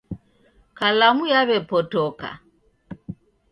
Kalamu yaw'epotoka.